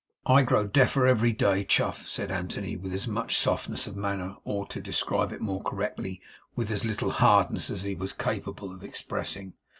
'I grow deafer every day, Chuff,' said Anthony, with as much softness of manner, or, to describe it more correctly, with as little hardness as he was capable of expressing.